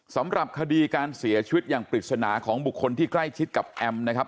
สำหรับคดีการเสียชีวิตอย่างปริศนาของบุคคลที่ใกล้ชิดกับแอมนะครับ